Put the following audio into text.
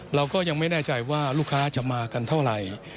เราก็ยังไม่แน่ใจว่าลูกค้าจะมากันเท่าไหร่